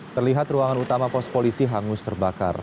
terlihat ruangan utama pos polisi hangus terbakar